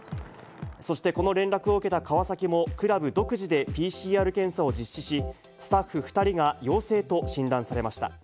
そしてこの連絡を受けた川崎も、クラブ独自でＰＣＲ検査を実施し、スタッフ２人が陽性と診断されました。